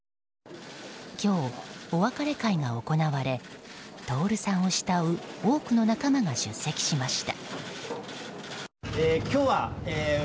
今日、お別れ会が行われ徹さんを慕う多くの仲間が出席しました。